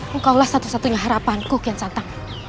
engkaulah satu satunya harapanku kian santang